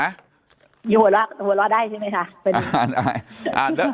หัวเราะได้ใช่มั้ยคะ